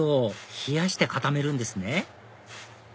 冷やして固めるんですね